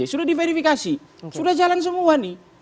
sudah diverifikasi sudah jalan semua nih